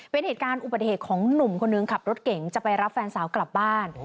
เป็นเหตุการณ์อุบัติเหตุของหนุ่มคนหนึ่งขับรถเก่งจะไปรับแฟนสาวกลับบ้าน